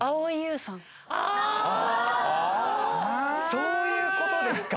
そういうことですか。